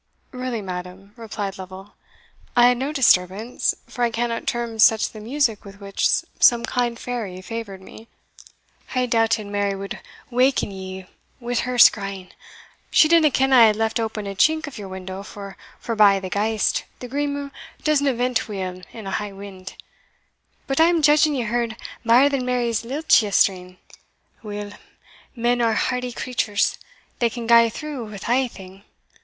"Really, madam," replied Lovel, "I had no disturbance; for I cannot term such the music with which some kind fairy favoured me." "I doubted Mary wad waken you wi' her skreighing; she dinna ken I had left open a chink of your window, for, forbye the ghaist, the Green Room disna vent weel in a high wind But I am judging ye heard mair than Mary's lilts yestreen. Weel, men are hardy creatures they can gae through wi' a' thing.